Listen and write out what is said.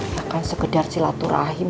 ya kan sekedar silaturahim